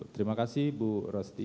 terima kasih bu rosti